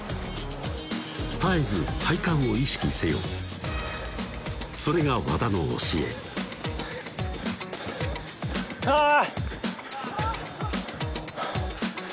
絶えず体幹を意識せよそれが和田の教えあぁ！